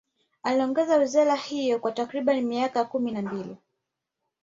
Aliongoza wizara hiyo kwa takriban miaka kumi na mbili